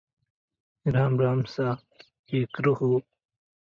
Middle managers were now paid and rewarded based on evaluations and merit only.